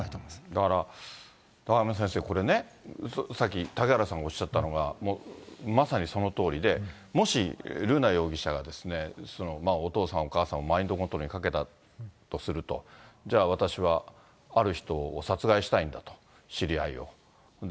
だから中山先生、これね、さっき、嵩原さんがおっしゃったのがまさにそのとおりで、もし瑠奈容疑者がお父さん、お母さんをマインドコントロールにかけたとすると、じゃあ私はある人を殺害したいんだと、知り合いを。